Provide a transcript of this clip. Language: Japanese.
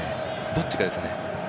どっちかですね。